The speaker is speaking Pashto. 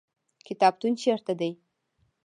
کتابتون چیرته دی؟